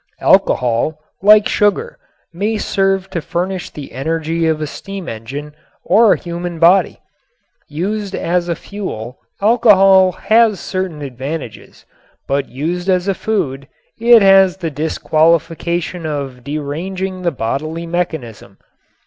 Alcohol, like sugar, may serve to furnish the energy of a steam engine or a human body. Used as a fuel alcohol has certain advantages, but used as a food it has the disqualification of deranging the bodily mechanism.